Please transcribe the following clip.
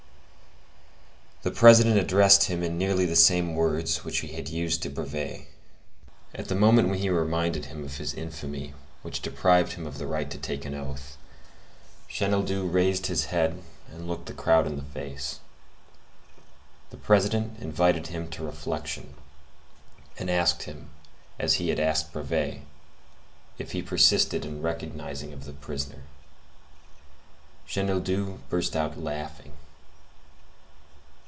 The President addressed him in nearly the same words which he had used to Brevet. At the moment when he reminded him of his infamy which deprived him of the right to take an oath, Chenildieu raised his head and looked the crowd in the face. The President invited him to reflection, and asked him as he had asked Brevet, if he persisted in recognition of the prisoner. Chenildieu burst out laughing.